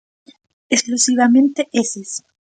Exclusivamente eses.